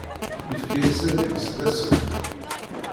Yefka-as adlis d asefk.